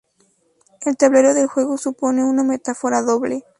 El tablero del juego supone un metáfora doble.